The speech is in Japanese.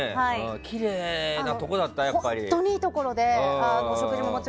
きれいなところだった？